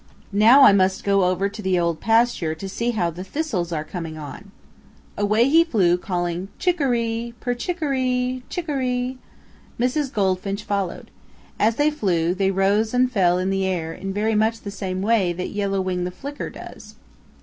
Now I must go over to the Old Pasture to see how the thistles are coming on." Away he flew calling, "Chic o ree, per chic o ree, chic o ree!" Mrs. Goldfinch followed. As they flew, they rose and fell in the air in very much the same way that Yellow Wing the Flicker does.